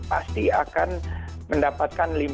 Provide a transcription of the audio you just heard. pasti akan mendapatkan libur